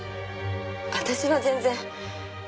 私は全然。